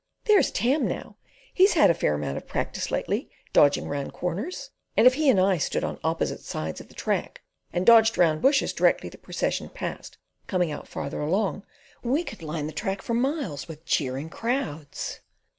There's Tam, now; he's had a fair amount of practice lately, dodging round corners, and if he and I stood on opposite sides of the track, and dodged round bushes directly the procession passed coming out farther along, we could line the track for miles with cheering crowds."